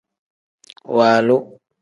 Waalu.